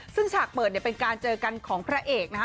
ซึ่งฉากเปิดเนี่ยเป็นการเจอกันของพระเอกนะฮะ